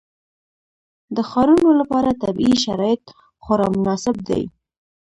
د ښارونو لپاره طبیعي شرایط خورا مناسب دي.